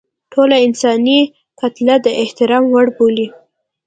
ټوله انساني کتله د احترام وړ بولي.